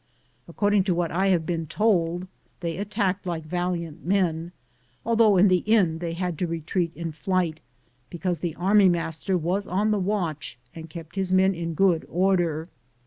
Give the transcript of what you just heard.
According to what I have been told, they attacked like valiant men, although in the end they had to retreat in flight, because the army master was on the watch and kept his men in good order.